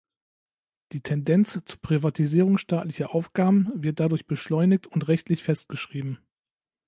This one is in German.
Die Tendenz zur Privatisierung staatlicher Aufgaben wird dadurch beschleunigt und rechtlich festgeschrieben.